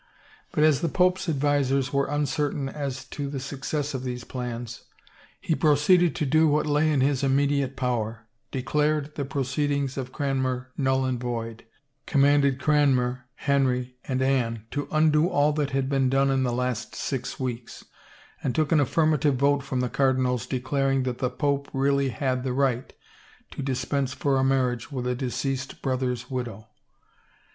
But as the pope's advisers were uncertain as to the success of these plans, he proceeded to do what lay in his immediate power, declared the proceedings of Cranmer null and void, commanded Cranmer, Henry, 267 THE FAVOR OF KINGS and Anne to undo all that had been done in the last six weeks, and took an affirmative vote from the cardi nals declaring that the pope really had the right to dis pense for a marriage with a deceased brother's widow.